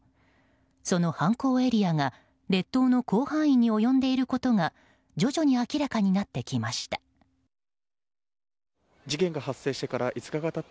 その犯行エリアが列島の広範囲に及んでいることが徐々に明らかになってきました。